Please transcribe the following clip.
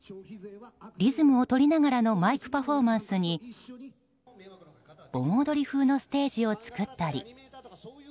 リズムをとりながらのマイクパフォーマンスに盆踊り風のステージを作ったり。